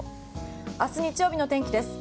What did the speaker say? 明日日曜日の天気です。